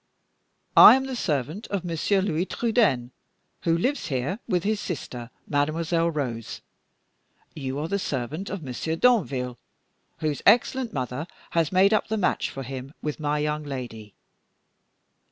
I am the servant of Monsieur Louis Trudaine, who lives here with his sister, Mademoiselle Rose. You are the servant of Monsieur Danville, whose excellent mother has made up the match for him with my young lady.